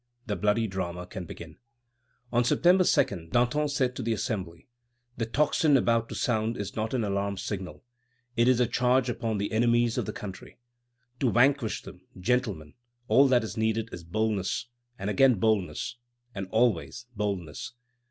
The bloody drama can begin. On September 2, Danton said to the Assembly: "The tocsin about to sound is not an alarm signal; it is a charge upon the enemies of the country. To vanquish them, gentlemen, all that is needed is boldness, and again boldness, and always boldness."